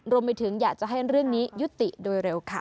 อยากจะให้เรื่องนี้ยุติโดยเร็วค่ะ